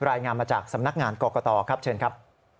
รายงานมาจากสำนักงานกรกตครับเชิญครับ